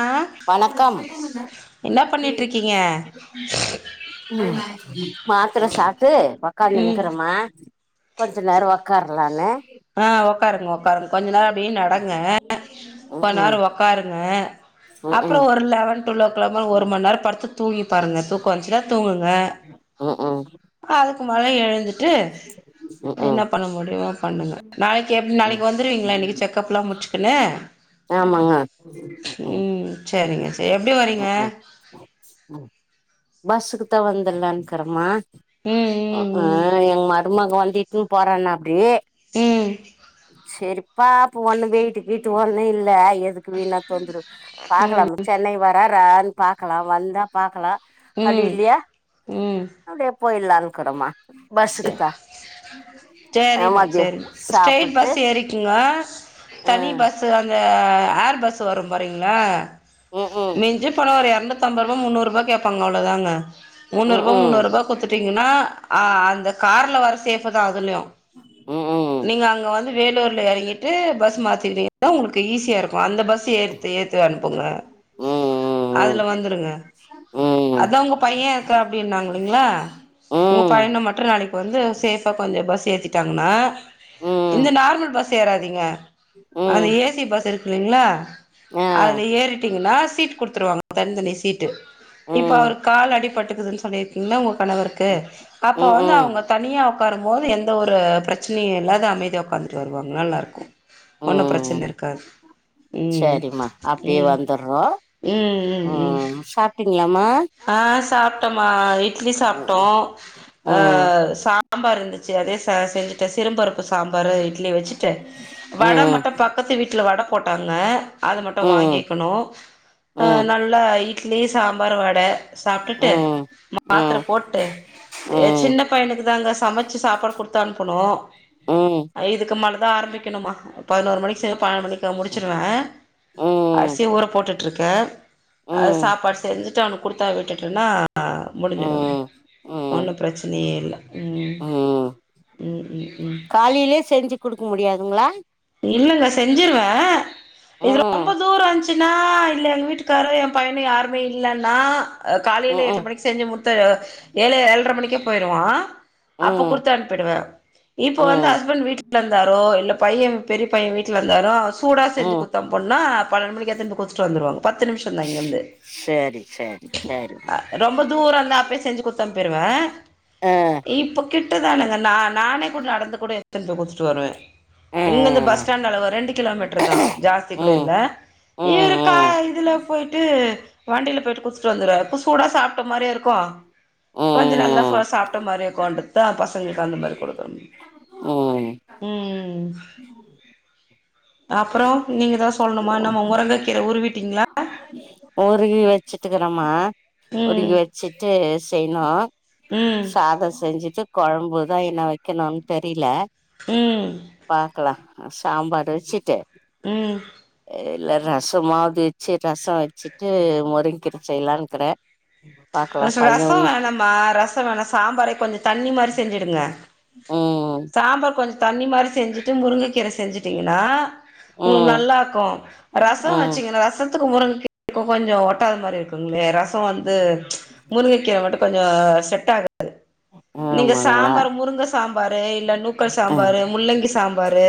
ஆ வணக்கம் என்ன பண்ணிட்டு இருக்கீங்க [inaudible] ம் மாத்தர சாப்ட்டு ம் உக்காந்துனக்கிறேமா கொஞ்ச நேர உக்காரலானு ஆ உக்காருங்க உக்காருங்க கொஞ்ச நேரம் அப்டினு நடங்க ம் கொஞ்ச ம் நேரம் உக் பாருங்க ம் ம் அப்புறம் ஒரு லெவன் டுவல்லோக் கிளாக்லாம் ஒரு மணி நேரம் படுத்து தூங்கி பாருங்க தூக்கம் வந்துச்சுனா தூங்குங்க ம் ம் அதுக்கு மேல எழுந்துட்டு ம் ம் என்ன பண்ண முடியுமா பண்ணுங்க நாளைக்கு எப் ம் நாளைக்கு வந்துருவீங்களா இன்னைக்கு செக்கப் எல்லாம் முடிச்சுக்குன்னு ஆமாங்க ம் சரிங்க சரி எப்டி வரீங்க ம் பஸ்ஸுக்கு தா வந்தரலானுக்கிறமா ஆ ம் ம் எங்க மருமக வந்து இட்டுன்னு போறோனப்படி ம் சரிப்பாப்போம் ஒண்ணு வைட்டு கிட்டு ஒண்ணும் இல்ல எதுக் வீணா தொந்தரவு பாக்கலாம் சென்னை வரரான் பாக்கலாம் வந்தா பாக்கலாம் அப்டி ம் இல்லையா ம் ம் அப்படியே போயலான்னுக்கறோமா பஸ்ஸுக்கு சே தா சேரிம்மா ஏமாத்தி சேரிம்மா ஸ்ட்ரட் சாப்பிட்டு பஸ் ஏறிக்குங்க தனி ம் பஸ் ஸ்ஸு அந்த ஏர் பஸ் வரும் போறீங்களா ம் ம் மிஞ்சு போன ஒரு இருநுத்தம்பது ரூவா முன்னுருபா கேட்பங்க அவ்ளோதாங்க ம் முன்னூரூபா முன்னூரூபா குத்துட்டீங்கன்னா அ அந்த கார்ல வர சேஃப் தான் அதுலயும் ம் ம் ம் நீங்க அங்க வந்து வேலூரல இறங்கிட்டு பஸ் மாதிட்டிங்கண உங்களுக்கு ஈஸியா இருக்கும் அந்த பஸ் ஏத்து ஏத்து அனுப்புங்க அதுல வந்துருங்க ம் அதா ஒங்க பையன் இருக்கா அப்டின்னாங்கலேங்களா ஒங்க ம் பைய்யன மட்டு நாளைக்கு இப்போ வந்து சேஃபா கொஞ்ச பஸ் ஏத்திட்டாங்கன்னா ம் இந்த நார்மல் பஸ் ஏறாதீங்க அது ம் ஏ சி பஸ் இருக்குகில்லேங்களா ஆ அதுல ஏறிட்டீங்கனா சீட் குடுத்துருவாங்க தனித்தனி சீட்டு இப்ப ம் அவர் கால் அடிபட்டுக்குது சொல்லிருக்கீங்க உங்க கணவருக் ந்து அப்ப ம் வந்து ம் அவங்க தனியா உட்காரும்போது எந்த ஒரு பிரச்சனையும் இல்லத அமைதியா உக்காந்துட்டு வருவாங்க நல்லா இருக்கும் ஒன்னும் பிரச்சன ம் இருக்காது ம் சரிம்மா அப்டியே ம் வந்துர்றோ ம் ம் ம் இருக்கீங்களாமா? ஆ சாப்ட்டோம்மா இட்லி சாப்ட்டோ ம் அ ம் சாம்பார் இருந்துச்சு அதே ச செஞ்சுட்டெ சிரும்பருப் சாம்பாரு இட்லி வச்சுட்டு வட ம் மட்டு பக்கத்து வீட்ல வட போட்டாங்க அது மட்டு ம் வாங்கிக்கணு ம் அ ம் நல்லா இட்லி சாம்பார் வ ட சாப்ட்டுட்டு ம் ம் ம் ம் மாத்தர போட்டு எ சின்ன பையனுக்கு தாங்க சமச்சு சாப்பாடு குடுத்து அனுப்பனு இதுக்கு மேல தா ஆரம்பிக்கணுமா பதினோரு மணிக்கு [unintelligible] மணிக்கு இதோ முடுச்சுருவே ம் ம் அரிசி ஊற போட்டுட்டுருக்கே அ ம் சாப்பாடு செஞ்சுட்டு அவனுக்கு குடுத்தா விட்டுட்டென்னா ஆ முடுஞ்சுடு ம் ஒன்னு பிரச்சனையே இல்ல ம் ம் ம் ம் ம் காலைலே செஞ்சு குடுக்க முடியாதுங்ளா இல்லங்க செஞ்சுருவே இதுல ரொம்ப ம் தூரஞ் [unintelligible] இல்ல எங்க வீட்டுக்காரு எ பையனு யாருமே இல்லனா காலேலே ம் எட்டு மணிக் செஞ்சு முட்த்து ஏழெ ஏழ்ற மணிக்கே போயிருவா அப்ப ம் குடுத்து அனுப்பிடுவே இப்ப வந்து ம் ஹஸ்பண்ட் வீட்ல இருந்தாரோ இல்ல பைய்யே பெரிய பைய்யே வீட்ல இருந்தாலோ அத சூடா ம் குடுத்தனுப்னா பன்னெண்டு மணிக்கு எடுத்துனு போய் குடுத்துட்டு வந்துருவாங்க பத்து நிமிஷோந்தா இங்கந்து சரி சரி சரிம்மா ரொம்ப தூரோ இருந்தா அப்டே செஞ்சு குட்த்தனுப்பீடுவே அ இப்போ கிட்ட தானுங்க நா நானே கூட நடந்து கூட எத்துனு போய் குடுத்துட்டு வருவே ஆ இங்கெர்ந்து பஸ் ஸ்டாண்டளவு ரெண்டு கிலோமீட்ரு தா ஜாஸ்தி கூட ம் இல்ல ம் இருக்கா ம் இதுல போயிட்டு வண்டில போயிட்டு குடுத்துட்டு வந்துருவே அப்போ சூடா சாப்ட்ட மாரியு இருக்கு கொஞ்சொ நல்லா சோ ம் சாப்ட்ட மாரியு இருக்கு கொண்டு தா பசங்களுக்கு அந்த மாரி குடுக்கனு ம் அப்பறோ நீங்க எதா சொல்ணுமா இன்னம்மா மொரங்க கீர உருவீட்டிங்ளா உருகி வச்சுட்டுக்கிறமா உருகி ம் வச்சுட்டு செய்ணு ம் சாதோ செஞ்சுட்டு கொழம்புதா இன்ன வெக்கணுனு தெரில ம் பாக்லா சாம்பாரு வச்சுட்டு ம் இல்ல ரசமாது வச்சு ரசோ ச்சிட்டு மொருங்க்கீர செய்யலானுக்குறே ரசோ ரசோ வேணமா ரசோ ரசொ வேணா சாம்பாரே கொஞ்சோ தண்ணி மாரி செஞ்சுடுங்க ம் சாம்பார் கொஞ்சொ தண்ணி மாரி செஞ்சுட்டு முருங்கக்கீர செஞ்சுட்டீங்கனா ஒங்களுக்கு ம் நல்லா இர்க்கு ரசோ ம் வச்சிங்கனா ரசொ துக்கு முருங்ககீரைக்கு கொஞ்சோ ஒட்டாத மாரி இருக்குங்ளே ரசோ வந்து முருங்க கீர மட்டு கொஞ்சோ செட் ஆகாது நீங்க ஆமாங்களா சாம்பார் முருங்க சாம்பாரு இல்ல நூக்கல் ஆ சாம்பாரு முள்ளங்கி சாம்பாரு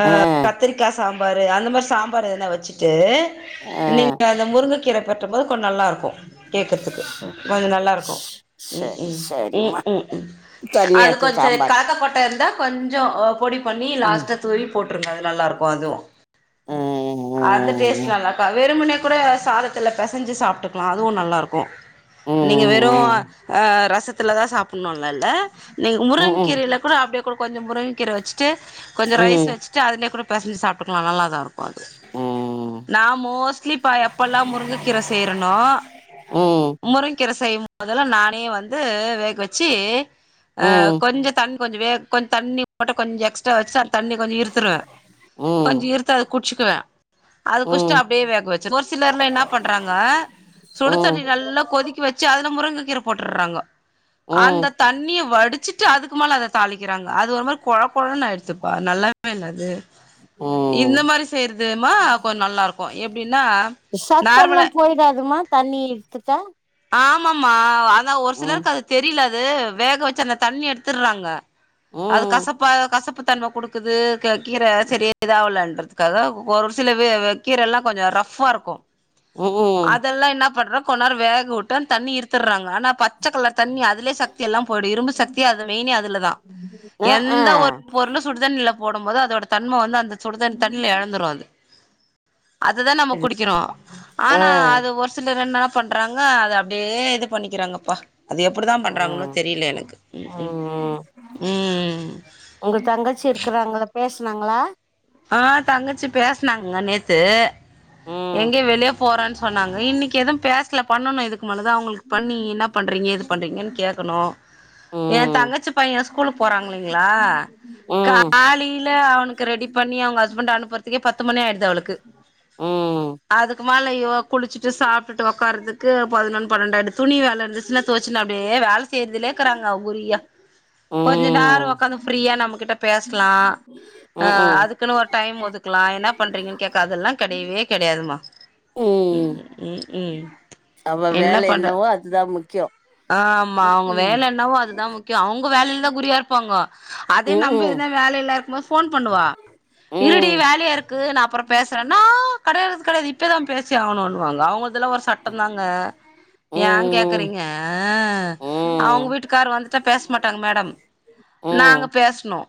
அ ஆ கத்தரிக்கா சாம்பாரு அந்த மாரி சாம்பார் எதனா வச்சுட்டு ஆ நீங்க அந்த முருங்க கீர பெரட்டம்போது கொஞ் நல்லா இருக்கு கேக்கத்துக்கு கொஞ்சொ நல்லாருக்கு ம் சரி ம் ம் சரிம்மா ம் ம் அது தண்ணியாத்து கொஞ்சொ களா சாம்பார் களாக்கொட்ட இருந்தா கொஞ்சோ பொடி பண்ணி ம் லாஸ்ட்டா தூவி போட்ருங்க அது நல்லாருக்கு அதுவு அந்த டேஸ்ட் ம் நல்லாக்கு வெறும்ன்னே கூட சாதத்துல பசஞ்சு சாப் போட்டுக்லா அதுவு நல்லா இருக்கு ம் நீங்க வெறு அ ம் அ ரசத்துல தா சாப் பட்னுல்லா இல்ல நீங் முருங்க ம் ம் கீரல கூட அப்டியே கூ கொஞ்சோ முருங்க கீர வெச்சுட்டு கொஞ்சோ ம் ரைஸ் வெச்சு ட்டு அதுலயே கூட பெசஞ்சு சாப்ட்டுக்கலா நல்லா தா இருக்கு அது ம் நா மோஸ்ட்லி பா எப்பெல்லா முருங்கக்கீர செய்றனோ ம் முருங்கக்கீர செய்யும்போதெல்லா நானே வந்து வேக வெச்சு அ கொஞ்சோ தண்ணி கொஞ்சோ வேக் கொஞ்சோ தண்ணி மட்டு கொஞ்சோ எக்ஸ்ட்ரா வெச்சா தண்ணி கொஞ்சோ இருத்துருவே கொஞ்சோ இருத்த குட்ச்சுக்குவே அது குச்சிட்டு ம் அப்டியே வேக வெச்சிரு ஒரு சிலர்லா என்ன பண்றாங்க சுடுதண்ணி ம் நல்லா கொதிக்க வெ ச்சு அதுல முருங்க கீர போட்டற்றாங்கோ ம் அந்த ம் தண்ணிய வடிச்சுட்டு அதுக்கு மேல அத தாளிக்கெறாங்க அது ஒரு மாரி கொழ கொழன்னு ஆயிடுத்துப்பா நல்லாவே இல்ல அது இந்த மாரி செய்றதுமா கொஞ்சோ நல்லா இருக்கு எப்டினா நார்மல போய்டாதுமா தண்ணிய எடுத்துட்டெ ஆமாமா அதா ஒரு சிலர்க்கு அது தெரில அது வேக வெச்சு அந்த தண்ணி எடுத்துற்றாங்க அது ம் கசப்பா கசப்பு தன்ம குடுக்குது க கீர செரியா இதாகலன்றது க்கல ஒரு சில வெ கீர எல்லா கொஞ்சோ ரஃப்பா இருக்கு ம் அதெல்லா என்ன பண்றோ கொநேர் வேக வுட்டா தண்ணி இருத்தற்றாங்க ஆனா பச்ச கலர் தண்ணி அ துலயே சக்தி எல்லா போய்டு இரும்பு சக்தி அது மெயின்னே அதுல தா ஆ ஆ எந்த ஒரு பொருளு சுடுதண்ணில போடும் போது அதோட தன்ம வந்து அந்த சுடுத தண்ணில எழந்துரு அது அதுதா நம்ம குடிக்கறோ ஆ ஆனா அது ஒரு சிலர் என்ன பண்றாங்க து அப்டியே இது பண்ணிக்கெறாங்கப்பா அது எப்டித்தா பண்றாங்களோ ம் தெரில எனக்கு ம் ம் உங்க தங்கச்சி இருக்குறாங்கள பேச்னாங்களா ஆ தங்கச்சி பேஸ்னாங்க நேத்து ம் எங்க்யோ வெளிய போறேன்னு சொன்னாங்க இன்னெக்கி எதும் பேசல பண்ணணு இது மனதா அவ்ங்களுக்கு பண்ணி என்ன பண்றீங்க ஏது பண்றீங்கன்னு கேக்கணு ஏ ம் தங்கச்சி பையன் ஸ்கூலுக்கு போறாங்களீங்களா ம் காலில அவனுக்கு ரெடி பண்ணி அவ்ங்க ஹஸ்பண்ட அனுப்புறதுக்கே பத்து மணி ஆய்டுது அவுளுக்கு ம் அதுக்கு மேல இவோ குளுச்சுட்டு சாப்ட்டுட்டு ஒக்காரறதுக்கு பதினொன் பன்னெண்டாயிடுது துணி வேல இருந்துச்சுன்னா தொவச்சுன்னு அப்டியே வேல செய்றதுலயே இருக்குறாங்க அவ குறியா கொஞ்ச நேரோ ம் ஒக்காந்து ஃப்ரீயா நம்ம கிட்ட பேசலா ஆ அ ம்ஹூம் அதுக்குன்னு ஒரு டைம் ஒதுக்கலா என்ன பண்றீங்கன்னு கேக்க அதெல்லா கெடையவே கெடையாதுமா ம் ம்ம் அவ வேல என்னவோ அதுதா முக்கியோ ஆ ஆமா அவுங்க ம்ஹூம் வேல என்னவோ அதுதா மு க்கியோ அவுங்க வேலல்ல தா குறியா இருப்பாங்கோ அதே நம்ப ம்ஹூம் என்ன வேலல்ல இருக்கும் போது போன் பண்ணுவா இருடி ம் ம் வேலையா இருக்கு நா அப்பறொ பேசறேன்னா ஆ கடையாது கடையாது இப்போதா பேசி ஆவுணுன்னுவாங்க அவுங்ளுதெல்லா ஒரு சி சட்டந்தாங்க ஏங் ம் கேக்கறீங்க ம் அ அவுங்க ம்ஹூம் வீட்டுக்காரு வந்துட்டா பேச மாட்டாங்க மேடம் நாங்க பேஸ்னு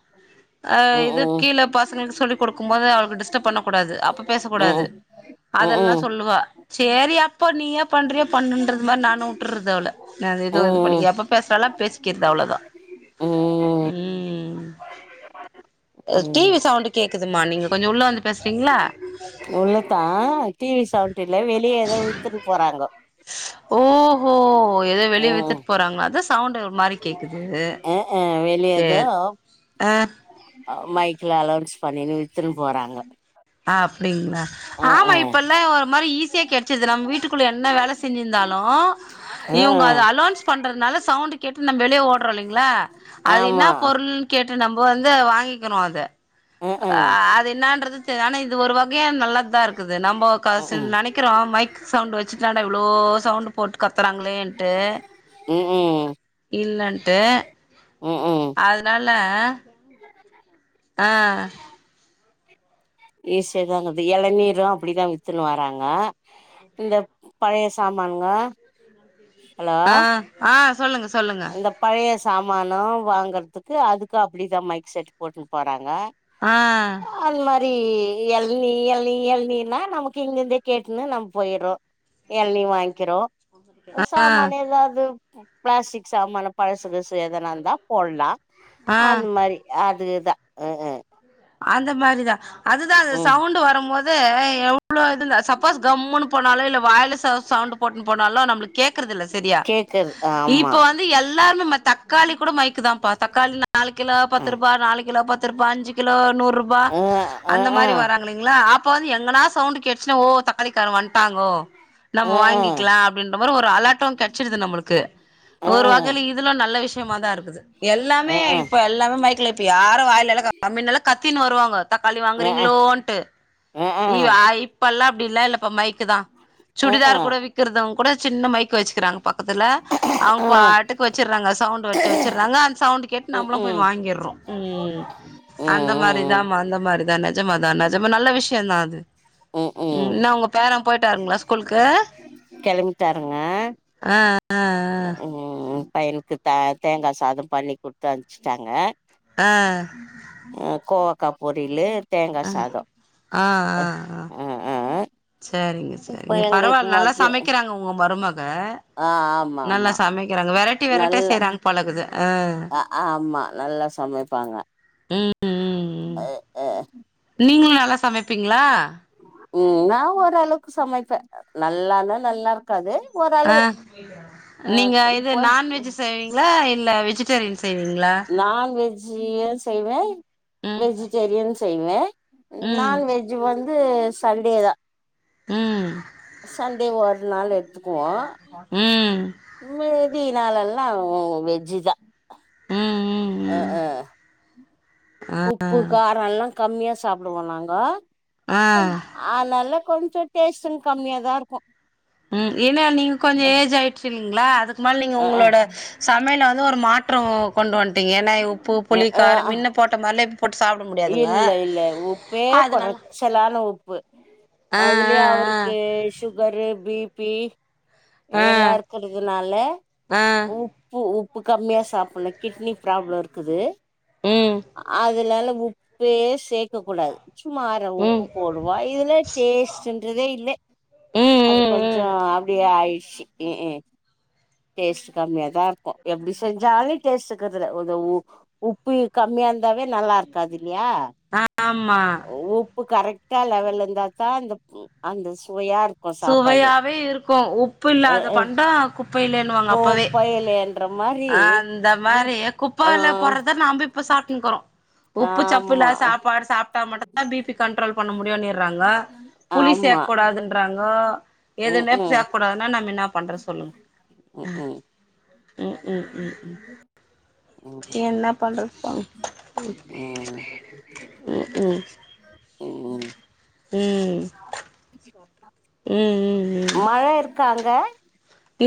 அ இது ம்ஹூம் ம்ஹூம் கீழ பசங்களுக்கு சொல்லி் குடுக்கும் போது அவளுக்கு டிஸ்டர்ப் பண்ண கூடாது அப்ப பேசக்கூடாது ம் ம் அதெல்லா சொல்லுவா சேரி அப்போ நீ யா பண்றியோ பண்ணுன்றது மாரி நானு வுட்டுர்ரது அவள நா எதுவு இது பண்ணிக் எப்ப பேசுறாலோ பேசிக்கெற்து அவ்ளோதா ம் ம் டி வி சவுண்டு கேக்குதுமா நீங்க கொஞ்சோ உள்ள வந்து பேச்றீங்களா உள்ளத்தா அ டி வி சவுண்ட் இல்ல வெளியே எதோ வித்துட்டு போறாங்கோ ஓஹோ எதோ வெளிய ம் வித்துட்டு போறாங்க அதா சவுண்ட் ஒரு மாரி கேக்குது வெளிய எதோ சேர் ஆ மைக்கில அலவுன்ஸ் பண்ணின்னு வித்துன்னு போறாங்க ஆ அப்டிங்ளா ஆமா அஹ்ஹ இப்பெல்லா ஒரு மாரி ஈஸியா கெடச் சீருது இது நம்ம வீட்டுக்குள்ள என்ன வேல செஞ்சிருந்தாலு ஆ இவுங்க அது அலோன்ஸ் பண்றதுனால சவுண்ட் கேட்டு நம்ம வெளிய ஓடுறோ இல்லீங்களா அது என்னா ஆமா பொருள் கேட்டு நம்ம வந்து வாங்கிக்கிறோ அது அஹ்ஹ அது என்னான்றது த்து ஆனா இது ஒரு வகையா நல்லா தா இருக்குது நம்போ காசு சில ம்ஹூம் நெனைக் விக்கிறோ மைக் சவுண்ட் வச்சுட்டுலாண்டு இவ்ளோ சவுண்டு போட்டு கத்துறாங்களேன்ட்டு ம் இல்லண்ட்டு ம்ஹூம் அதுனால அ ஈஸியாதாங்குது எளநீரு அப்டிதா வித்துன்னு வராங்க இந்த பழைய சாமானுங்க ஹலோ அ ஆ சொல்லுங்க சொல்லுங்க இந்த பழைய சாமானு வாங்குறதுக்கு அதுக்கு அப்டிதா மைக் செட் போட்டுட்டு போறாங்க ஆ அந்த மாரி எளநீ எளநீ எளநீனா நமக்கு இங்கிருந்தே கேட்டுன்னு நம்ம போயிற்றோ எள்னி வாங்கிறோ ஆ சாமானு எதாவுது பிளாஸ்டிக் சாமா பழசு கிழசு எதனா இருந்தா போல்லா ஆ அது மாரி அதுதா அ அந்த மாரிதா அதுதா அது ம் சவுண்ட் வரு போது எவ்ளோ இதுல சத் சப்போஸ் கம்முன்னு போனாலோ இல்ல வாயல சவுண்ட் போட்டுனு போனாலோ நம்மளுக்கு கேக்குறது இல்ல செரியா கேக்குறது ஆ இப்ப வந்து எல்லாருமே தக்காளி கூட மைக்கு தாப்பா தக்காளி நாலு கிலோ பத்து ம் ரூபா நாலு கிலோ பத் து ரூபா அஞ்சு கிலோ நூறு ரூபா ஆ ஆ அந்த மாரி ஆ வராங்களீங்களா அப்ப வந்து எங்கனா சவுண்ட் கேச்சுன்னா ஓ தக்காலி காரே வன்ட்டாங்கோ நம்ம வாங்கிக்கலா அப்டின்ற மாரி ஒரு அலாட்டொ கெச்சிடுது நம்மளுக்கு ஒரு வகையில இது இதுல நல்ல விஷியமா தா இருக்குது எல்லாமே இப்ப எல்லாமே மைக்கல இப்ப யாரு வாயில மின்னெல்லா கத்தின்னு வருவாங்கோ தக்காளி வாங்குறீங்களோன்ட்டு இ ஐப் ப்பெல்லா அப்டி இல்ல இல்லப்பா மைக்கு தா சுடிதார் கூட விறக்தூங் கூட சின்ன மைக்கு வச்சுக்கிறாங்க பக்கத்தில அவுங்க பாட்டுக்கு வச்சுற்றாங்க சவுண்ட் வச்சு வச்சுற்றாங்க அந்த சவுண்ட் கேட்டு நம்மளு போய் வாங்கிறோ ம் அந்த மாரிதாமா அந்த மாரிதா நெஜமாதா நெஜமா நல்ல விஷியோ தா அது ம் என்ன உங்க பேர போயிட்டாருங்களா ஸ்கூலுக்கு கெளம்பிட்டாருங்க ஆ ம் ம் பையனுக்கு த தேங்கா சாதோ பண்ணி குடுத்து அமிச்சுட்டாங்க ஆ ஆ அ கோவக்க பொரியிலு தேங்கா சாதோ ஆ ஆ ஆ அ அ சரிங்க சரிங்க பரவாயில்ல நல்லா மதியம் சமைக்கிறாங்க உங்க மருமக ஆ ஆமாம் நல்லா ஆமாம் சமைக்கிறாங்க வெரட்டி வெரட்டியா செய்றாங்க பொழங்குது ம் ஆம்மா நல்லா சமைப்பாங்க ம் ம் ம் அ அ நீங்ளு நல்லா சமப்பீங்ளா உ நா ஓரளக்கு சமைப்பே நல்லானா நல்லார் காது போது ஆ நீங்க இது இப்போ நான்வெஜ்ஜு செய்வீங்ளா இல்ல வெஜிடேரியன் செய்வீங்ளா நான் வெஜ்ஜீய செய்வே ம் வெஜிடேரியனு செய்வே ம் நால் வெஜ்ஜு வந்து சண்டே தா ம் சண்டே ஒர் நாள் எட்த்துக்குவோ ம் உம்மேதி நாளல்லா வெஜ்ஜிதா ம் ம் ம் அஅ உப்பு காரோ எல்லா கம்மியா சாப்டுவோ நாங்க ஆ ஆனால கொஞ்சு டேஸ்ட்டுன் கம்மியாதா இர்க்கு ம் ஏன்னா நீங்க கொஞ்சொ ஏஜ் ஆய்ச்சிங்ளா அதுக்கு மேல் நீங்க அ உங்களோட சமயல் வது ஒரு மாற்றோ கொண்டு வந்ட்டிங்க ஏன்னாய் உப்பு அ அ புளிக்காரம் அ மின்ன போட்ட மார்லேப் போட் சாப்ட முடியா இல்ல இல்ல உப்பே குறச்சலான உப்பு ஆ அதுலயே ஆ அவர்க்கே ஷு உகரு பிபி ஆ எல்லா இருக்குற்துனாலே ஆ ஆ உப் ப்பு உப்பு கம்மியா சாப்பனு கிட்னி ப்ராப்ளோ இர்க்குது ம் அதுலால உப் ப்பே சேக்க கூடாது சும்மா அர ம் உப்பு போடுவாய் இதுல டேஸ்ட்டுன்றதே இல்லே ம் அது ம் கொஞ்சொ ம் அப்டியே ஆய்ஷ்ஷி இஇ டேஸ்ட்டு கம்மியாதா இர்க்கு எப்டி செஞ்சாலே டேஸ்ட் இக்குற்துல ஒதவூ உப்பி கம்மியா இந்தாவே நல்லார்க்காது இல்லியா ஆமா உப் ப்பு கரக்ட்டா லெவல் இந்தாத்தா அந்த அந்த சுவையார் சுவையாவே இருக்கு உப்பு அ இல்லாத அ பண்டோ குப்பைலேன்னுவாங்க அப்பவே கோப்பையிலன்ற மாரி ஆ அந்த உப் மாரி குப்ப ஆ வெல போறத்தா நாம்ப இப்பு சாப்னுக்குறோ உப்பு ச்சப்புல்லா ஆமா சாப்பாடு சாப்ட்டா மட்டுத்தா பிபி கண்ட்ரோல் பண்ண முடியுன்னிறாங்க புளி ஆமா சேக்கூடாதுன் நு ம் எதுமேப் ம் சேக் கூடாதுன்னா நம் இன்னா பண்ற சொல்லுங் ம் ம் ம் ம் ம் ம் ம் ம் என்ன பண்றப்ப ம் ம் ம்ம் ம் ம் ம்ம்ம் மழ இருக்காங்க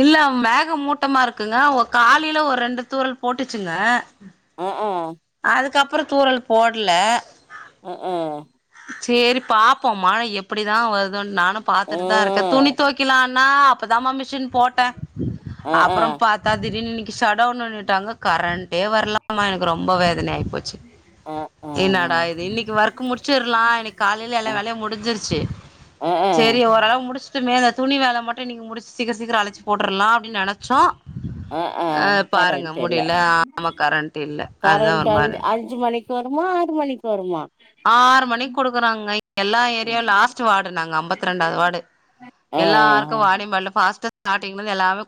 இல்ல மேக மூட்டமா இருக்குங்க ஒ காலில ஒர் ரெண்டு தூறல் போட்டுச்சுங்க உஉ இதுக்கப்றோ தூறல் போட்ல அஆ ச்சேரி பாப்போ மழ எப்டிதா வர்தோன் நானு ம் ம் ம் பாத்துட்டு தா இருக்க ம் துணி துவக்கிலானா அப்பதாமா மிஷின் போட்ட அப்றம் பாத்தா திடீன்னு இன்னிக்கி ஷடவுண் னுன்னுட்டாங்க கரண்ட்டே வர்ல அமா எனக்கு ரொம்ப வேதனாய் போச்சு [inaudible] என்னாடா இது இன்னிக்கி வர்க்கு முடிச்சிர்லா இன்னிக் காலில எல்லா வேலையு முடிஞ்சிருச்சு ம் ச்செரி அப் ஓரளவு முடிச்ட்டுமே இந்த துணி வேல மட்டு இன்னிக் முடிச் சீக்ர சீக்ர அழச்சி போட்ருலா அப்டின் நெனச்சோ அ ம் பாருங்க கரண்ட் இல்ல முடில ஆமா கரண்ட் இல்ல அதுதா கரண்ட் ஒரு மாறி அஞ்சு ஆவு அஞ்சு மணிக்கு வருமா ஆறு மணிக்கு வருமா ஆறு மணிக்கு குடுக்குறாங்க எல்லா ஏரியா லாஸ்ட் வார்டு நாங்க அம்பத்தி ரெண்டாவது வார்டு எல்லார்க்கு ஆ வாடிம்பால்ல ஃபாஸ்ட்டா ஸ்டாட்டிங்ல இருந்து எல்லாமே